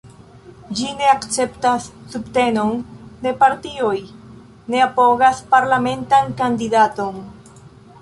Ĝi ne akceptas subtenon de partioj, ne apogas parlamentan kandidaton.